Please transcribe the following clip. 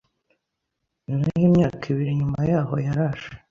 Naho imyaka ibiri nyuma yahoo yaraje